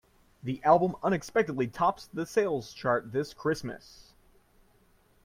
The album unexpectedly tops the sales chart this Christmas.